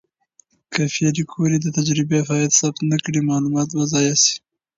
که پېیر کوري د تجربې پایله ثبت نه کړي، معلومات به ضایع شي.